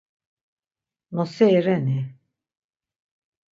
Noseri reni?